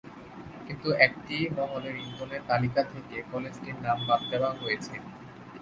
কিন্তু একটি মহলের ইন্ধনে তালিকা থেকে কলেজটির নাম বাদ দেওয়া হয়েছে।